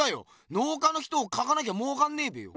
農家の人を描かなきゃもうかんねえべよ。